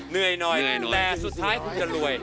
เหนื่อยหน่อยแต่สุดท้ายคุณจะรวย